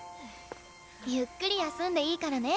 ゆっくり休んでいいからね。